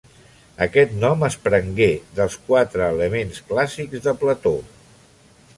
Aquest nom es prengué dels quatre elements clàssics de Plató.